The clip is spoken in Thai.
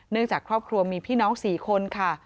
จากครอบครัวมีพี่น้อง๔คนค่ะ